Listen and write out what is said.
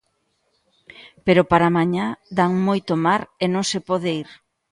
Pero para mañá dan moito mar e non se pode ir...